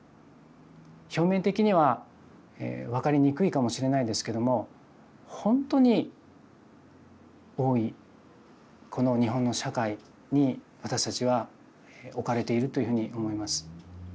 表面的には分かりにくいかもしれないですけどもほんとに多いこの日本の社会に私たちは置かれているというふうに思います。